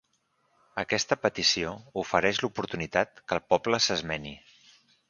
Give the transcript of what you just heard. Aquesta petició ofereix l'oportunitat que el poble s'esmeni.